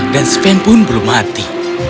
dan sven pun belum mati